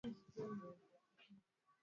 jina hilo kwa kuwa wana uwezo wa kungata